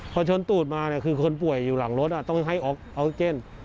พอชนตูดมาคือคนป่วยอยู่หลังรถต้องให้ออกซิเจน